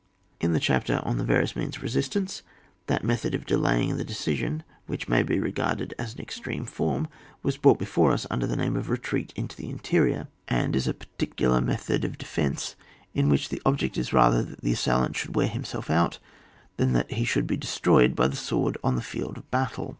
In the chapter on the various means of resistance, that method of delaying the decision, which may be regarded as an extreme form, was brought before us under the name of retreat into the interior, and as a particular method 192 ON WAR. [book yi. of defence, in which the object is rather that the assailant should wear himself out, than that he should be de stroyed by the sword on the field of battle.